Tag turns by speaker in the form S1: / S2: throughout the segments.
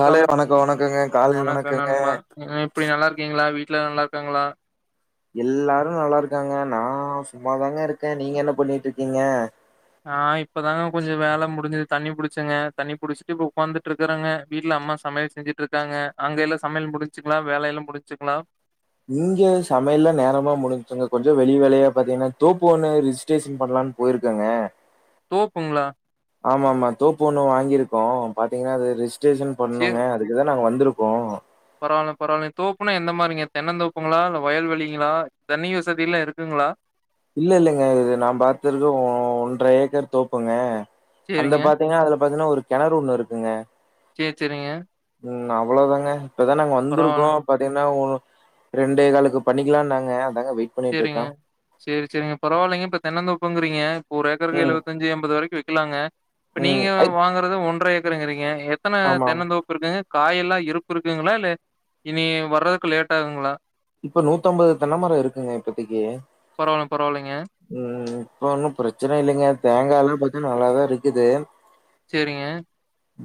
S1: காலை வணக்கங்க. காலை வணக்கங்க.
S2: நல்லா இருக்கீங்ளா வீட்ல நல்லா இருக்காங்களா
S1: எல்லாரு நல்லா இருக்காங்க நா சும்மாதாங்க இருக்க நீங்க என்ன பண்ணிட்டு இருக்கீங்க
S2: நா இப்பதாங்க கொஞ்சோ வேல முடிஞ்சிது தண்ணி புடிச்சங்க தண்ணி புடிச்சிட்டு இப்ப உக்காந்துட்டு இருக்கறங்க வீட்ல அம்மா சமயல் செஞ்சிட்டு இருக்காங்க அங்க எல்லா சமையல் முடிஞ்சுக்கலா வேலயெல்லா முடிஞ்சுங்கலா
S1: இங்க சமயல்லா நேரமா முடிஞ்சுங்க கொஞ்சோ வெளி வேலையா பாத்தீங்கன்னா தோப்பு ஒன்னு ரிஜிஸ்ட்ரேஷன் பண்லான் போய்ருக்காங்க
S2: தோப்புங்ளா
S1: ஆமா ஆமா தோப்பு ஒண்ணு வாங்கியிருக்கோ பாத்தீங்கன்னா அது ரிஜிஸ்டேஷன் பண்ணுங்க
S2: சேர்
S1: அதுக்குதா நாங்க வந்துருக்கோ
S2: பரவால்ல பரவால்ல தோப்புனா எந்த மாரிங்க தென்ன தோப்புங்களா இல்ல வயல்வெலிங்களா தண்ணி வசதி எல்லா இருக்குங்களா
S1: இல்ல இல்லங்க இது நா பாத்தறது ஒன்ர ஏக்கர் தோப்புங்க அந்த
S2: சேரிங்க
S1: பாத்தீங்கன்னா அதுல பாத்தீங்கன்னா ஒரு கெணறு ஒண்ணு இருக்குங்க
S2: சே செரிங்க
S1: ம் அவ்ளோதாங்க இப்பதா நாங்க வந்துருக்கோ
S2: பரவால்ல
S1: பாத்தீங்கன்னா ஒனு ரெண்டே கால்க்கு பண்ணிக்கலானாங்க அதாங்க வெயிட்
S2: செரிங்க
S1: பண்ணிட்டுருக்கேன்.
S2: செரி செரிங்க பரவால்லங்க இப்ப தென்னந்தோப்புங்கறீங்க ஒரு ஏக்கருக்கு
S1: ம்.
S2: எழுவத்தஞ்சு எண்பது வரைக்கு விக்கலாங்க இப்ப நீங்க
S1: ம். ஐ
S2: வாங்குறது ஒன்ர ஏக்கர்ங்கிறீங்க எத்தன
S1: ஆமாம்.
S2: தென்னந்தோப்பு இருக்குங்க காய் எல்லா இருப்பு இருக்குங்களா இல்ல இனி வற்ரதுக்கு லேட் ஆகுங்களா
S1: இப்ப நூத்தம்பது தென்னமரோ இருக்குங்க இப்பதக்கி
S2: பரவால்ல பரவால்லைங்க
S1: ம் இப்ப ஒன்னு பிரச்சன இல்லைங்க தேங்கா எல்லா பாத்தா நல்லாதாருக்குது
S2: சேரிங்க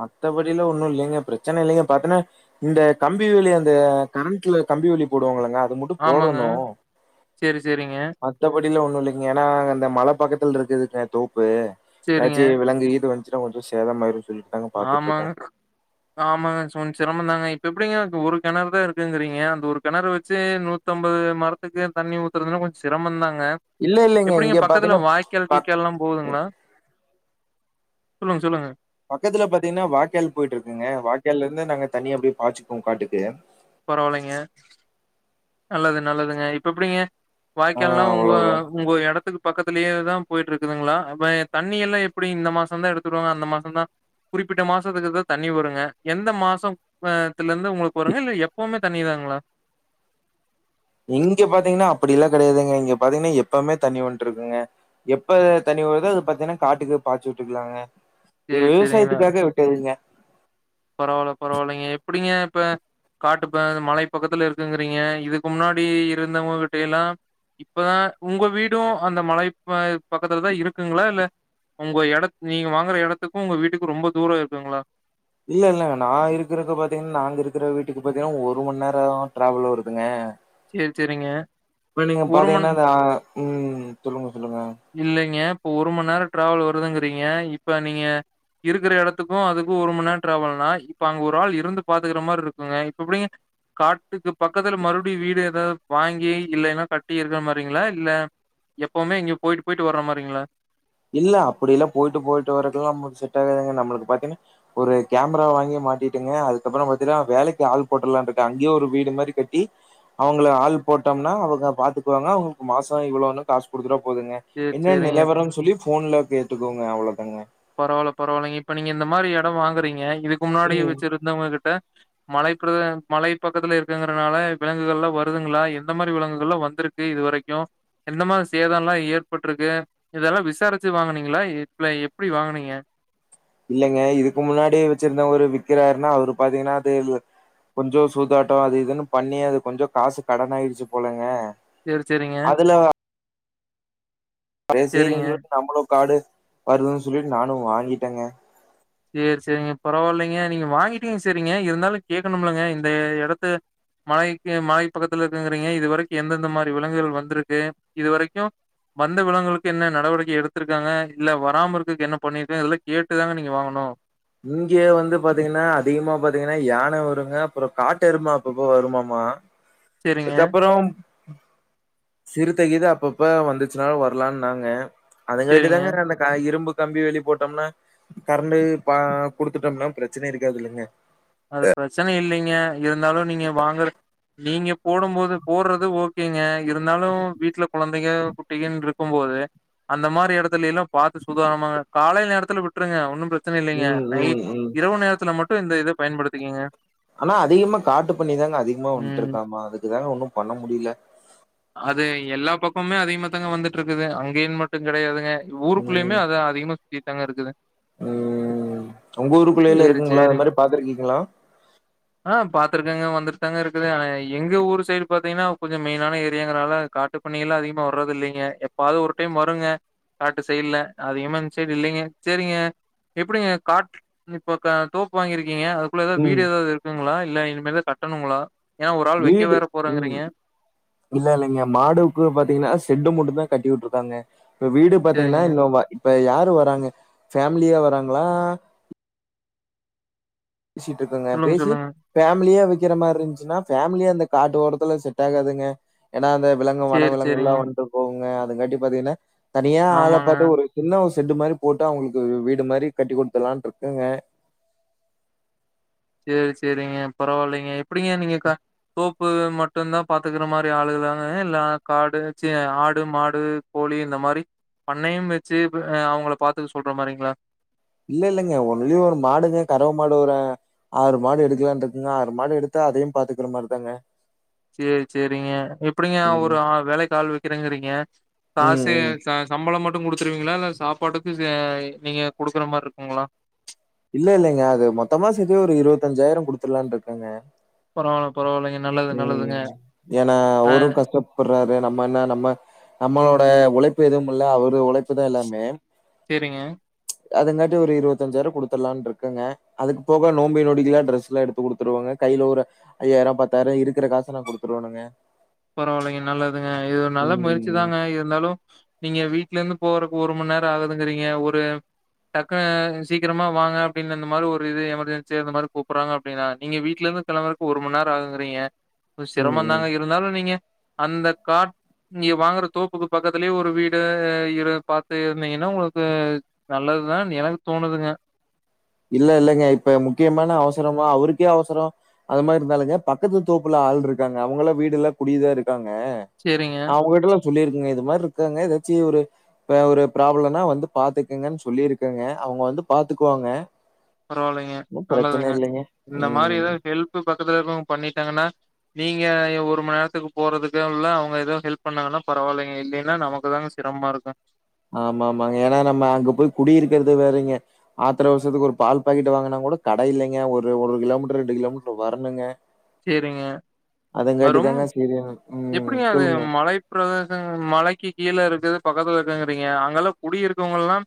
S1: மத்தபடில ஒன்னு இல்லைங்க பிரச்சன இல்லங்க பாத்தன்ன இந்த கம்பி வேலி அந்த கரண்ட்ல கம்பி வேலி போடுவாங்களங்க அது மட்
S2: ஆமாங்க.
S1: போடணு
S2: சரி, சரிங்க.
S1: மத்தபடில ஒண்ணு இல்லங்க ஏன்னா அந்த மல பக்கத்துல இருக்குதுங்க தோப்பு
S2: சரிங்க.
S1: எதாச்சி வெலங்கு கீது வந்து [unintelligible] கொஞ்சோ சேத மாயிரு சொல்லி
S2: ஆமாங்க ஆமாங்க கொஞ்சோ சிரமந்தாங்க இப்ப எப்டிங்க ஒரு கெணறு தா இருக்குங்கிறீங்க அந்த ஒரு கெணறு வச்சே நூத் தொம்பது மரத்துக்கு தண்ணி ஊத்துறதுன்னா கொஞ்சோ சிரம தாங்க
S1: இல்ல இல்லைங்க.
S2: எப்டிங்க
S1: இங்க
S2: பக்கத்துல
S1: பாத்தீங்கன்னா,
S2: வாய் கல்
S1: பக்
S2: கீக்கால்லா
S1: ம்
S2: போகுதுங்களா சொல்லுங்க சொல்லுங்க
S1: பக்கத்துல பாத்தீங்கன்னா வாய்க்கால் போயிட்டு இருக்குங்க வாய்க்காலிருந்து நாங்க தண்ணி அப்டியே பாய்சுக்குவோ காட்டுக்கு
S2: பரவால்லைங்க நல்லது நல்லதுங்க இப்ப எப்டிங்க
S1: ஆ
S2: வாய்க்கால்லா உங்க
S1: அவ்வளவுதான்.
S2: உங்க எடத்துக்கு பக்கத்துலயேதா போயிட்டு இருக்குதுங்ளா அப்ப தண்ணி எல்லா எப்புடி இந்த மாசந்தா எடுத்துவுடுவாங்க அந்த மாசந்தா குறிப்பிட்ட மாசத்துக்குதா தண்ணி வருங்க எந்த மாசோ த்துலந்து உங்களுக்கு வருங்க இல்ல எப்பவுமே தண்ணிதாங்களா
S1: இங்க பாத்தீங்கனா அப்டி எல்லா கெடையாதுங்க இங்க பாத்தீங்னா எப்பவுமே தண்ணி வந்ட்டு இருக்குங்க எப்ப தண்ணி வருதோ அது பாத்தீங்னா காட்டுக்கு பாச்சு விட்டுக்கலாங்க இது
S2: சரி, சரிங்க.
S1: விவசாயத்துக்காக விட்டதுங்க
S2: பரவால்ல பரவால்லைங்க எப்டிங்க இப்ப காட்டுப்ப மலை பகக்கத்துல இருக்குங்கிறீங்க இதுக்கு முன்னாடி இருந்தவுங்ககிட்ட எல்லா இப்பதா உங்க வீடு அந்த மலை பக்கத்துலதா இருக்குங்களா இல்ல ஒங்க எடத் நீங்க வாங்குற எடத்துக்கு உங்க வீட்டுக்கு ரொம்ப தூரோ இருக்குங்களா
S1: இல்ல இல்ல நா இருக்கறக்கு பாத்தீங்ன்னா நாங்க இருக்கிற வீட்டுக்கு பாத்தீங்கன்னா ஒரு மணநேரோ டிராவல் வருதுங்க
S2: சரி, சரிங்க.
S1: இப்ப நீங்க
S2: ஒரு மண்
S1: பாத்தீங்கன்னா அந்த அ ம் சொல்லுங்கோ சொல்லுங்க
S2: இல்லைங்க இப்போ ஒரு மண்நேரோ டிராவல் வருதுங்கிறீங்க இப்ப நீங்க இருக்கிற இடத்துக்கு அதுக்கு ஒரு மண்நேரோ டிராவல்னா இப்ப அங்க ஒரு ஆள் இருந்து பாத்துக்கிற மார் இருக்குங்க இப்ப எப்டிங்க காட்டுக்கு பக்கத்துல மறுபடியு வீடு எதாது வாங்கி இல்லேன்னா கட்டி இருக்க மாரிங்ளா இல்ல எப்பவுமே இங்க போய்ட்டு போய்ட்டு வர்ற மாரிங்ளா
S1: இல்ல அப்டில்லா போய்ட்டு போய்ட்டு வரக்குல்லா நமக்கு செட்டாகாதுங்க நம்மளுக்கு பாத்தீங்னா ஒரு கேமரா வாங்கி மாட்டிட்டுங்க அதுக்கப்புறபாத்தினா வேலக்கி ஆள் போட்ருலான்ருக்கே அங்கேயே ஒரு வீடு மாரி கட்டி அவுங்கள ஆள் போட்டோம்னா அவுங்க பாத்துக்குவாங்க அவுங்களுக்கு மாசோ இவ்ளோனு காசு குடுத்துடா போதுங்க
S2: சரி,
S1: என்ன
S2: சரிங்க.
S1: நிலவரம் சொல்லி ஃபோன்ல கேட்டுக்குவோங்க அவ்ளோதாங்க
S2: பரவால்ல பரவால்லைங்க இப்ப நீங்க இந்த மாரி எடம் வாங்குறீங்க இதுக்கு முன்னாடி
S1: ம்
S2: வெச்சிருந்தவுங்க கிட்ட மலைப்பிரத மலை பக்கத்துல இருக்குங்கறனால இப்ப விலங்குகள்லா வருதுங்களா எந்த மாரி விலங்குகள்லா வந்துருக் கு இது வரைக்கு எந்த மார் சேதல்லா ஏற்பட்ருக்கு இதெல்லா விசாரிச்சு வாங்குனீங்களா இப்லய் எப் எப்டி வாங்னீங்க
S1: இல்லைங்க இதுக்கு முன்னாடி வச்சிருந்தவரு விக்கிறாருன்னா அவரு பாத்தீங்னா தே லு கொஞ்சோ சூதாட்டோ அது இதுன்னு பண்ணி அது கொஞ்ச காசு கடனாயிருச்சு போலங்க
S2: சேரி சேரிங்க
S1: அதுல சேரின்னு
S2: சேரிங்க
S1: சொல்லிட்டு நம்மளு காடு வருதுன்னு சொல்லிட்டு நானு வாங்கிட்டேங்க
S2: சேரி சேரிங்க, பரவால்லைங்க நீங்க வாங்கிட்டீங்க சரிங்க இருந்தாலு கேக்கணும்லங்க இந்த எடத்த மாய்க்கு மாய் பக்கத்துல இருக்குங்கிறீங்க இது வரைக்கு எந்தெந்த மாரி விலங்குகள் வந்திருக்கு இது வரைக்கு வந்த விலங்குகளுக்கு என்ன நடவடிக்கை எடுத்திருக்காங்க இல்ல வராம இருக்குரதுக்கு என்ன பண்ணிருக்காங்க இதல்லா கேட்டுதாங்க நீங்க வாங்கணு அ
S1: இங்க வந்து பாத்தீங்கன்னா அதிகமா பாத்தீங்கன்னா யான வருங்க அப்புறோ காட்டெரும அப்பப்ப வருமாமா
S2: [inaudible]
S1: அதுக்கப்புறோ ம், சிறுத்தகீத அப்பப்ப வந்துச்சுனாலு வரலான்னாங்க
S2: சேரிங்க
S1: அதங்காட்டிதாங்க அந்த க இரும்பு கம்பி வேளி போட்டோம்னா கரண்டு பா குடுத்துட்டோம்னா பிரச்சன இருக்காதுல்லைங்க
S2: அது பிரச்சன இல்லிங்க இருந்தாலு நீங்க வாங்குற நீங்க போடும்போது போட்றது ஓ கேங்க இருந்தாலு வீட்ல கொழந்தைக குட்டிகனு இருக் கு போம்போது அந்த மாரி எடத்துலயெல்லா பாத்து சுதானமாங்க காலை நேரத்துல விட் வுட்டுருங்க ஒன்னு பிரச்சன இல்லேங்க
S1: ம் ம்
S2: நைட்
S1: ம்
S2: இரவு நேரத்துல மட்டு இந்த இத பயன்படுத்திக்கிங்க
S1: ஆனா அதிகமா காட்டு பண்ணிதாங்க அதிகமா
S2: ம்
S1: வந்துட்ருக்காமா அதுக்குதாங்க ஒன்னு பண்ண முடில
S2: அது எல்லா பக்கமுமே அதிகமா தாங்க வந்துட்ருக்குது அங்கேயு மட்டு கெடையாதுங்க இந்த
S1: ம்
S2: ஊருக்குள்ளயுமே அது அதிகமா சுத்திட்டுதாங்க இருக்குது
S1: ம் உங்க ஊருக்குள்ளேலா
S2: சேரி
S1: இருக்குங்களா அது
S2: சேரிங்க
S1: மாரி பாத்துருக்கீங்களா
S2: ஆ பாத்துருக்கேங்க வந்துட்தாங்க இருக்குது ஆனா எங்க ஊரு சைடு பாத்தீங்கன்னா கொஞ்ச மெயினான ஏரியாங்கிறனால காட்டு பன்னி எல்லா அதிகமா வர்றது இல்லைங்க எப்பாது ஒரு டைம் வருங்க காட்டு சைட்ல அதிகமா இந்த சைடு இல்லைங்க சேரிங்க எப்டிங்க காட் இப்போ க தோப்பு வாங்கி இருக்கீங்க அதுக்குள்ள ஏதாது
S1: ம்
S2: வீடு ஏதாது இருக்குங்களா இல்ல இனிமே தா கட்டணுங்களா ஏன்னா ஒரு ஆள் வைக்க
S1: வீடு
S2: வேற
S1: ம்
S2: போறேங்குரீங்க
S1: இல்ல இல்லைங்க மாடுக்கு பாத்தீங்கன்னா செட்டு மட்டுந்தா கட்டிவுட்ருக்காங்க இப்ப வீடு பாத்தீங்கன்னா
S2: சரிங்க.
S1: இன்னு இப்ப யாரு வராங்க ஃபேமிலியா வராங்ளா பேசிட்ருக்கங்க
S2: சொல்லுங்க,
S1: பேசி
S2: சொல்லுங்க.
S1: ஃபேமிலியா வைக்கற மாரி இருஞ்ச்சுன்னா ஃபேமிலியா அந்த காட்டோரத்துல செட் ஆகாதுங்க ஏன்னா அந்த விலங்கும் வன
S2: சரி,
S1: விலங்கு
S2: சரிங்க.
S1: எல்லாம் வந்ட்டு போவுங்க அதுக்காண்டி பாத்தீங்கன்னா தனியா ஆள
S2: ஆமாங்க.
S1: பாத்து ஒரு சின்ன ஒரு ஷெட்டு மாரி போட்டு அவுங்களுக்கு வீடு மாரி கட்டி குடுத்துரலான் இருக்குங்க
S2: சேரி சேரிங்க பரவால்லைங்க எப்டிங்க நீங்க க ப்பு மட்டும்தான் பாத்துக்குற மாரி ஆளுங்கலா இல்ல காடு சீ ஆடு மாடு கோழி இந்த மாரி பண்ணையம் வெச்சு அவுங்கள பாத்துக்க சொல்ற மாரிங்ளா
S1: இல்ல இல்லங்க ஒன்லி ஒரு மாடுங்க கரவ மாடு வரு ஆறு மாடு எடுக்கலான் இருக்கங்க ஆறு மாடு எடுத்தா அதையு பாத்துக்குற மாரிதாங்க
S2: சேரி சேரிங்க எப்டிங்க
S1: ம்
S2: ஒரு ஆள் வேலைக்கு ஆள் வைக்கிறேங்குறீங்க
S1: ம்
S2: காசு
S1: ம்
S2: ச சம்பளம் மட்டும் குடுத்துருவீங்களா இல்ல சாப்பாட்டுக்கு ச நீங்க குடுக்குற மாரி இருக்குங்களா
S1: இல்ல இல்லைங்க அது மொத்தமா சேத்து ஒரு இருவத்தஞ்சாயிரம் குடுத்துர்லான் இருக்கங்க
S2: பரவால்ல பரவால்லைங்க நல்லது நல்லதுங்க அ
S1: போட்றாரு நம்ம என்ன நம்ம நம்மளோட உழைப்பு எதுவும் இல்ல அவரு உழைப்புதான் எல்லாமே
S2: சேரிங்க
S1: அதுங்காட்டி ஒரு இருவத்தஞ்சாயிரம் குடுத்துர்லானு இருக்கங்க அதுக்கு போக நோம்பி நொடிக்கிலா ட்ரெஸ் எல்லா எடுத்து குடுத்துருவங்க கைல ஒரு ஐயாயிரம் பத் தரே இருக்குற காசலா குடுத்துருவனுங்க
S2: பரவால்லைங்க நல்லதுங்க இது ஒரு நல்ல முயற்சி
S1: ம்.
S2: குதாங்க இருந்தாலு நீங்க வீட்ல இருந்து போறக்கு ஒரு மண் நேரொ ஆகுதுங்குறீங்க ஒரு டக்குனு சீக்கரமா வாங்க அப்டின்னு அந்த மாரி ஒரு இது எமர்ஜென்சி அந்த மாரி கூப்புட்றாங்க அப்டின்னா நீங்க வீட்லருந்து கெளம்புறக்கு ஒரு மணி நேரொ ஆகுங்குறீங்க கொஞ்ச
S1: ம், ம்.
S2: சிரமந்தாங்க இருந்தாலு நீங்க அந்த கா நீங்க வாங்குற தோப்புக்கு பக்கத்துலயே ஒரு வீடு இரு பாத்து இருந்தீங்கன்னா உங்களுக்கு நல்லதுதான்னு எனக்கு தோனுதுங்க
S1: இல்ல இல்லைங்க இப்ப முக்கியமான அவசரமா அவருக்கே அவசரொ அது மாரி இருந்தாலுங்க பக்கத்து தோப்புல ஆள் இருக்காங்க அவுங்க லா வீடுல்ல குடிதா இருக்காங்க
S2: சரிங்க,
S1: அவுங்க கிட்ட லா சொல்லிருக்குங்க இது மார் இருக்காங்க எதாச்சி ஒரு ப்ப ஒரு ப்ராப்ளம்னா வந்து பாத்துக்குங்கன் சொல்லிருக்கங்க அவுங்க வந்து பாத்துக்குவாங்க
S2: பரவால்லைங்க
S1: ஒண்ணும் பிரச்சனை
S2: நல்லதுங்க
S1: இல்லைங்க.
S2: இந்த மாரி
S1: ம்.
S2: எதாது ஹெல்ப்பு பக்கத்துல இருக்கவங்க பண்ணிட்டாங்கன்னா நீங்க ஒரு மணி நேரத்துக்கு போறதுக்கு உள்ள அவங்க ஏதோ ஹெல்ப் பண்ணாங்கனா பரவாலைங்க இல்லைன்னா நமக்கு தாங்க சிரமமா இருக்கூ
S1: ஆமா ஆமாங்க ஏனா நம்ம அங்க போய் குடியிருக்கறது வேறங்க ஆத்ர அவசரத்துக்கு ஒரு பால் பாக்கெட்டு வாங்குனா கூட கட இல்லைங்க ஒரு ஒரு கிலோ மீட்ரு ரெண்டு கிலோ மீட்ரு வரணுங்க
S2: சரிங்க. அது
S1: அதங்காட்டி
S2: ரொம்ப
S1: தாங்க செரி ம் சொல்லுங்க
S2: பிரதேசம் மலைக்கு கீழ இருக்குது பக்கத்துல இருக்குங்குறீங்க அங்கலா குடி இருக்கவங்கல்லா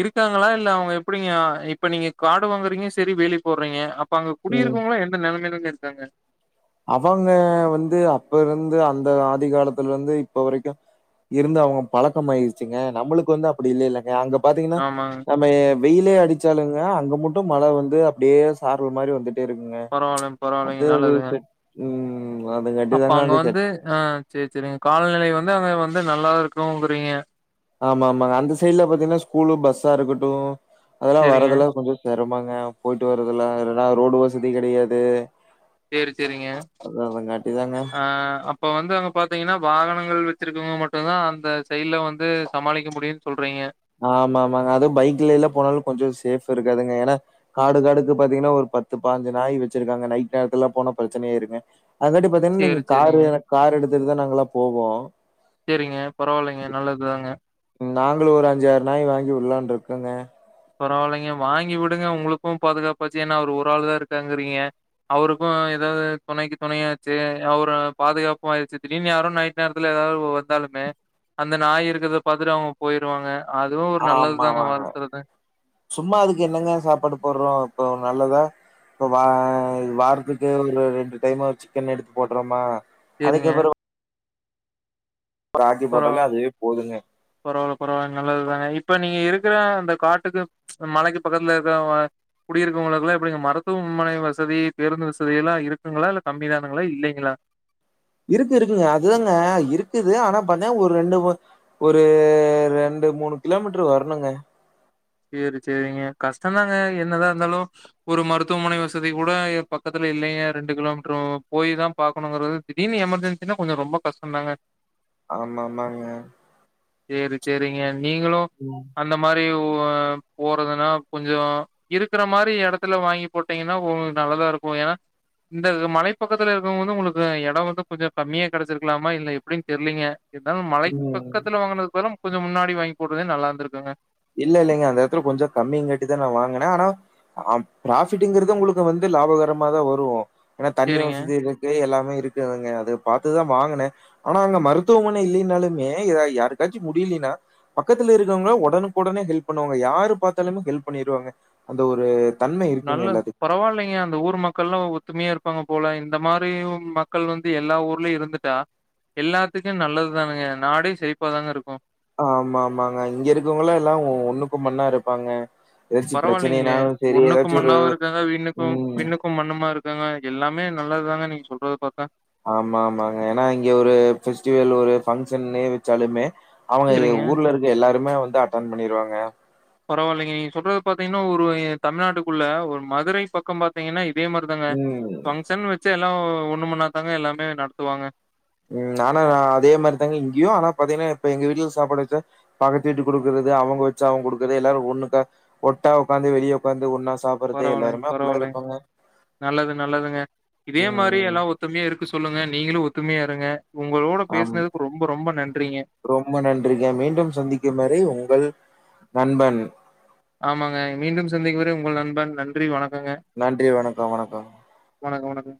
S2: இருக்காங்களா இல்ல அவுங்க எப்டிங்க இப்ப நீங்க காடு வாங்குறீங்க செரி வேலி போட்றீங்க இப்ப அங்க
S1: ம்.
S2: குடியிருக்கவுங்கலா எந்த நெலமைலங்க இருக்காங்க
S1: அவங்க வந்து அப்பருந்து அந்த ஆதி காலத்துல இருந்து இப்ப வரைக்கு இருந்து அவங்க பழக்கம் ஆயிருச்சுங்க நம்ளுக்கு வந்து அப்டி இல்லைலங்க அங்க பாத்தீங்கன்னா
S2: ஆமாங்க
S1: நம்ம வெயிலே அடிச்சாலுங்க அங்க மட்டும் மழ வந்து அப்டியே சாரல் மாரி வந்து டி இருக்குங்க
S2: பரவாயில்லைங்க பரவாயில்லைங்க
S1: அது அது
S2: நல்லதுங்க
S1: செட் ம் அதுங்காட்டி
S2: அப்ப
S1: தாங்க
S2: அங்க
S1: செட்
S2: வந்து ஆ சேரி சேரிங்க காலநிலை வந்து அங்க வந்து நல்லா இருக்குங்குறீங்க
S1: ஆமா ஆமாங்க அந்த சைட்ல பாத்தீங்கன்னா ஸ்கூலு பஸ்ஸா இருக்கட்டும் அதெல்லாம்
S2: சரிங்க
S1: வரதுலாம் கொஞ்சோ சிரமாங்க போயிட்டு வரறதுல்ல இல்லனா ரோடு வசதி கிடையாது
S2: சேரி சேரிங்க
S1: அது அதங்காட்டி தாங்க.
S2: ஆ அப் அப்போ வந்து அங்க பாத்தீங்கன்னா வாகனங்கள் வச்சிருக்கவங்க மட்டுதா அந்த சைடுல வந்து சமாளிக்க முடியும்னு சொல்றீங்க
S1: ஆமா ஆமாங்க அதுவும் பைக்லாம் போனாலும் கொஞ்சம் சேஃப் இருக்காதுங்க ஏன்னா காடு காடுக்கு பாத்தீங்கன்னா ஒரு பத்து பாஞ்சி நாய் வச்சிருக்காங்க நைட் நேரத்து எல்லாம் போன பிரச்சனயா ஆயிருங்க அதுங்காட்டியும் பாத்தீங்கன்னா [unintelligible] நீங்க
S2: சரி
S1: காரு
S2: சரிங்க
S1: கார் எடுத்துட்டுதா நாங்க எல்லா போவோ
S2: சேரிங்க பரவாயில்லைங்க நல்லதுதாங்க
S1: நாங்களு ஒரு அஞ்சி ஆறு நாய் வாங்கி விடலான்னு இருக்கோங்க
S2: பரவாயில்லைங்க வாங்கி விடுங்க உங்களுக்கு பாதுகாப்பாச்சி ஏன்னா அவரு ஒரு ஆள்தா இருக்காருங்கிறீங்க அவருக்கு ஏதாவது துணைக்கு துணையாச்சி அவரு பாதுகாப்பு ஆயிடுச்சி திடீர்னு யாரும் நைட் நேரத்துல ஏதாவது வந்தாலுமே அந்த நாய் இருக்கறத பாத்துட்டு அவுங்க போயிருவாங்க அதுவு ஒரு நல்லதுதாங்க
S1: ஆமாமாங்க.
S2: வாழ்த்துறது
S1: சும்மா அதுக்கு என்னங்க சாப்பாடு போடுறோம் இப்ப நல்லதா இப்ப வா வாரத்துக்கு ஒரு ரெண்டு டைம் சிக்கன் எடுத்து போட்டுறோமா
S2: சேரிங்க
S1: ஒரு ஆக்கிப் போட்டாலே அதுவே போதுங்க
S2: பரவாயில்ல பரவாயில்ல நல்லதுதானே இப்ப நீங்க இருக்கிற அந்த காட்டுக்கு மலைக்கி பக்கத்துல இருக்கறவங்க குடி இருக்கவங்களுக்கு எல்லா எப்படிங்க மருத்துவமனை வசதி பேருந்து வசதி எல்லா இருக்குங்களா இல்ல கம்மிதானுங்களா இல்லைங்களா
S1: இருக்கு இருக்குங்க அதுதாங்க இருக்குது ஆனா பண்ண ஒரு ரெண்டு ஒரு ரெண்டு மூணு கிலோமீட்டர் வரணுங்க
S2: சேரி சேரிங்க கஷ்டதாங்க என்னதா இருந்தாலு ஒரு மருத்துவமனை வசதி கூட ஏ பக்கத்துல இல்லைங்க ரெண்டு கிலோமீட்டர் போயி தான் பாக்கணுங்கிறது திடீர்னு எமர்ஜென்சின்னா கொஞ்சம் ரொம்ப கஷ்ட்டந்தாங்க
S1: ஆமா ஆமாங்க
S2: சேரி சேரிங்க நீங்களும்
S1: ம்
S2: அந்த மாரி ஓ ஆ போறதுன்னா கொஞ்சோ இருக்கிற மாரி இடத்துல வாங்கி போட்டீங்கன்னா உங்களுக்கு நல்லதா இருக்கு ஏன்னா இந்த மலைப்பக்கத்துல இருக்கவங்க வந்து உங்களுக்கு இடம் வந்து கொஞ்ச கம்மியா கிடைச்சிருக்கலாமா இல்ல எப்டின்னு தெரியலீங்க இருந்தாலு மலைக்கு
S1: ம்.
S2: பக்கத்துல வாங்கினதுக்கு பதிலா கொஞ்ச முன்னாடி வாங்கி போடுறதே நல்லா இருந்திருக்குங்க
S1: இல்ல இல்லைங்க அந்த இடத்துல கொஞ்ச கம்மிங்க கட்டிதா நா வாங்குனே ஆனா ஆ ப்ராஃபிட்டுங்கறத உங்களுக்கு வந்து லாபகரமா தான் வரும் ஏன்னா தண்ணி
S2: சேரிங்க
S1: வசதி இரு எல்லாமே இருக்குதுங்க அத பாத்துதா வாங்குனே ஆனா அங்க மருத்துவமனை இல்லைனாலுமே இத யாருக்காச்சிம் முடியலனா பக்கத்துல இருக்கவங்க உடனுக்கு உடனே ஹெல்ப் பண்ணுவாங்க யாரு பாத்தாலுமே ஹெல்ப் பண்ணிருவாங்க அந்த ஒரு தன்மை இருக்குங்க
S2: நல்ல
S1: எல்லாத்துக்குமே.
S2: பரவாயில்லைங்க அந்த ஊர் மக் மக்கள்லாம் ஒத்துமையா இருப்பாங்க போல இந்த மாரி மக்கள் வந்து எல்லா ஊர்லயும் இருந்துட்டா எல்லாத்துக்கும் நல்லது தானுங்க நாடே செழிப்பாதாங்க இருக்கும்
S1: ஆமா ஆமாங்க இங்க இருக்கவங்களாம் எல்லாம் ஒண்ணுக்கும் மண்ணா இருப்பாங்க ஏதாச்சு
S2: பரவாயில்லைங்களே
S1: பிரச்சனைனாலு சரி
S2: ஒண்ணுக்கு
S1: ஏதாச்சு ஒரு
S2: மண்ணாவு இருக்காங்க வீண்ணுக்கு பிண்ணுக்கு
S1: ம்
S2: வீண்ணும் மண்ணும் மாரி இருக்காங்க எல்லாமே நல்லது தாங்க நீங்க சொல்றது பாத்தா
S1: ஆமா ஆமாங்க ஏன்னா இங்க ஒரு பெஸ்டிவல் ஒரு பங்க்ஷன்னுமே வச்சாலுமே அவங்க
S2: சேரிங்க
S1: ஊர்ல இருக்க எல்லாருமே வந்து அட்டன் பண்ணிருவாங்க
S2: பரவாயில்லைங்க நீங்க சொல்றது பாத்தீங்கன்னா ஒரு தமிழ்நாட்டுக்குள்ள ஒரு மதுரை பக்கம் பா பாத்தீங்கன்னா இதே மாரிதாங்க
S1: ம்
S2: பங்க்ஷன் வச்ச எல்லாம் ஒண்ணு மண்ணா தாங்க எல்லாமே நடத்துவாங்க
S1: ம் ஆனா அதே மாரி தாங்க இங்கையு ஆனா பாத்தீங்கன்னா இப்ப எங்க வீட்ல சாப்பாடு வச்சா பக்கத்து வீட்டு குடுக்குறது அவுங்க வச்ச அவுங்க குடுக்குறது எல்லாரு ஒண்ணுக்க ஒட்டா உக்காந்து வெளியே உக்காந்து ஒன்னா சாப்
S2: பரவால்லைங்க பரவால்லைங்க நல்லது நல்லதுங்க இதே மாரி
S1: ம்
S2: எல்லா ஒத் ஒத்துமையா இருக்கு சொல்லுங்க நீங்களு ஒத்துமையா இருங்க உங்களோட
S1: ஆம்
S2: பேசுனதுக்கு ரொம்ப ரொம்ப நன்றிங்க
S1: ரொம்ப நன்றிங்க மீண்டும் சந்திக்கும் வரை உங்கள் நண்பன்
S2: ஆமாங்க மீண்டும் சந்திக்கு வரை உங்கள் நண்பன் நன்றி வணக்கங்க
S1: நன்றி வணக்கோ வணக்கோ
S2: வணக்கோ வணக்கோ